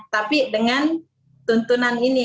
tapi dengan tuntunan ini